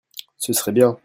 ce serait bien.